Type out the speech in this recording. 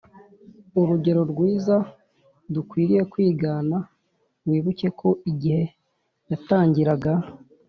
Urugero rwiza dukwiriye kwigana wibuke ko igihe yatangiraga